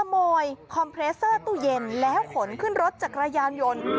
คอมเพรสเตอร์ตู้เย็นแล้วขนขึ้นรถจักรยานยนต์